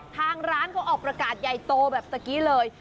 ทางร้านเขาออกประกาศใหญ่โตแบบเมื่อกี้เลย